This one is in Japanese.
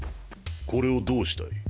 これをどうしたい？